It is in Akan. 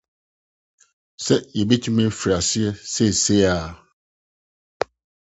So yebetumi afi ase mprempren?